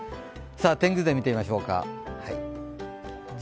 天気図で見てみましょうか。